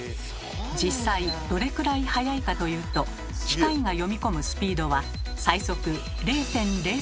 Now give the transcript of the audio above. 実際どれくらい速いかというと機械が読み込むスピードは最速０．０３秒！